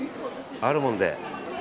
あるもので。